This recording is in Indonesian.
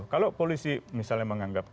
kalau polisi misalnya menganggap